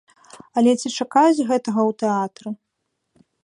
Але ці чакаюць гэтага ў тэатры?